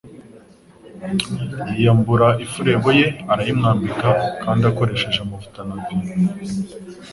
Yiyambura ifurebo ye, arayimwambika kandi akoresheje amavuta na vino